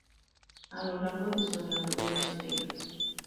A lo largo de su unión, tuvieron siete hijos.